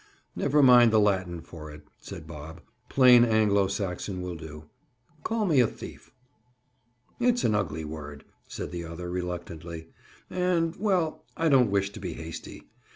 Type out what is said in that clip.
"Never mind the Latin for it," said Bob. "Plain Anglo Saxon will do. Call me a thief." "It's an ugly word," said the other reluctantly, "and—well, I don't wish to be hasty.